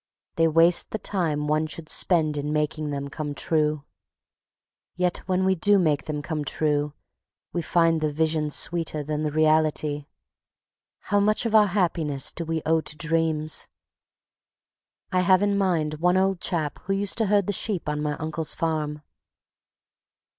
They waste the time one should spend in making them come true. Yet when we do make them come true, we find the vision sweeter than the reality. How much of our happiness do we owe to dreams? I have in mind one old chap who used to herd the sheep on my uncle's farm.